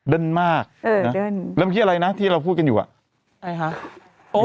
เดินมากแล้วมันคืออะไรนะที่เราพูดกันอยู่